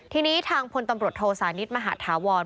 ทีนี้ทางพลตำรวจโทสานิทมหาธาวร